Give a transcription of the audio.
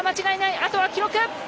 あとは記録。